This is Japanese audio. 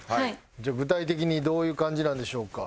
じゃあ具体的にどういう感じなんでしょうか？